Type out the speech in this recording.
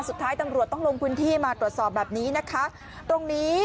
สุดท้ายตังหลวงพื้นที่มาตรวจสอบแบบนี้นะคะตรงนี้